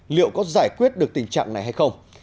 liệu có giải quyết được tình trạng này hay không